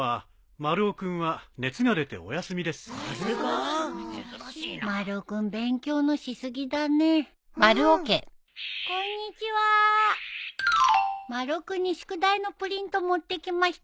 丸尾君に宿題のプリント持ってきました。